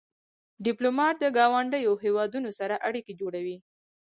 ډيپلومات د ګاونډیو هېوادونو سره اړیکې جوړوي.